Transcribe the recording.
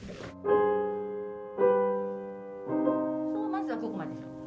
まずはここまで。